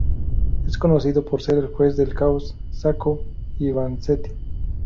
Es conocido por ser el juez del caso Sacco y Vanzetti.